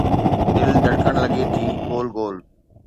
دل ڌڙڪڻ لڳي ٿي گول گول